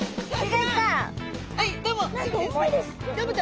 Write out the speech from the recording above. はいどうも！